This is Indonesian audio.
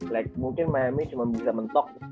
like mungkin memi cuma bisa mentok